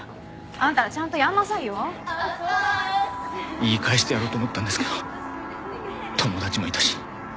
言い返してやろうと思ったんですけど友達もいたし。